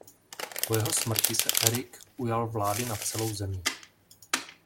Po jeho smrti se Erik ujal vlády nad celou zemí.